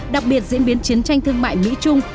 đặc biệt diễn biến chiến tranh thương mại mỹ trung